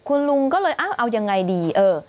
คุณลุงก็เลยเอายังไงดีเออ